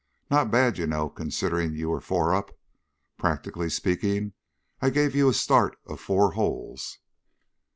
Not bad, you know, considering you were four up. Practically speaking, I gave you a start of four holes."